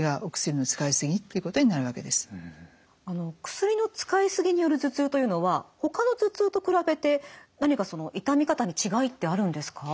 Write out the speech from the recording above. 薬の使いすぎによる頭痛というのはほかの頭痛と比べて何かその痛み方に違いってあるんですか？